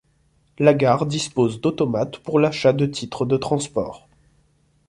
La gare dispose d'automates pour l'achat de titres de transport.